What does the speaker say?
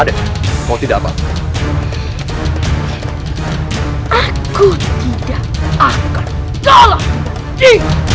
ada mau tidak aku tidak akan jalan di